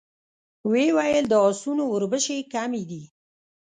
ويې ويل: د آسونو وربشې کمې دي.